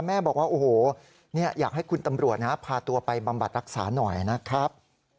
แม่บอกว่าโอ้โหอยากให้คุณตำรวจนะพาตัวไปบำบัดรักษาหน่อยนะครับ